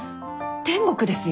天国ですよ。